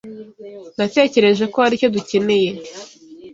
Natekereje ko aricyo dukeneye.